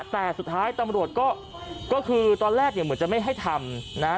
แต่สุดท้ายตำรวจก็คือตอนแรกเหมือนจะไม่ให้ทำ